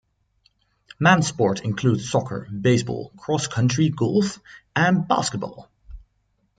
Men's sports include soccer, baseball, cross country, golf, and basketball.